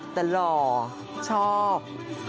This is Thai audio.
อ่ะจะหล่อชอบ